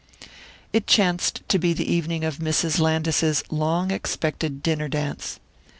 It chanced to be the evening of Mrs. Landis's long expected dinner dance.